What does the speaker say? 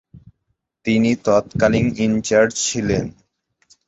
তিনি তৎকালীন ইনচার্জ ছিলেন।